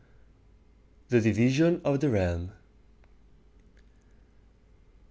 THE DIVISION OF THE REALM.